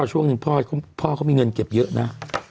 ช่วงหนึ่งพ่อเขามีเงินเก็บเยอะนะ